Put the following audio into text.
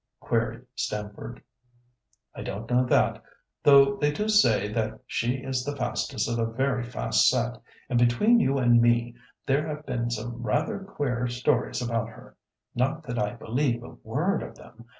queried Stamford. "I don't know that, though they do say that she is the fastest of a very fast set; and between you and me, there have been some rather queer stories about her, not that I believe a word of them.